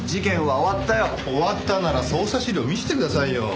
終わったなら捜査資料見せてくださいよ。